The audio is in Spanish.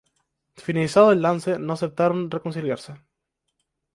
Finalizado el lance, no aceptaron reconciliarse.